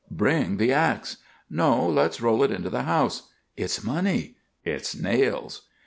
"Bring the ax!" "No; let's roll it into the house!" "It's money!" "It's nails!"